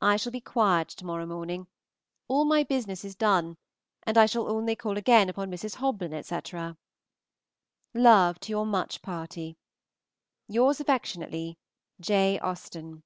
I shall be quiet to morrow morning; all my business is done, and I shall only call again upon Mrs. Hoblyn, etc. Love to your much ... party. Yours affectionately, J. AUSTEN.